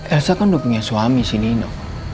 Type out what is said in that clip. elsa kan dukungnya suami si nino